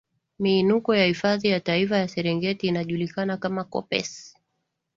miinuko ya hifadhi ya taifa ya serengeti inajulikana kama koppes